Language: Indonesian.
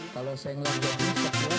kalau saya ngelakuin disini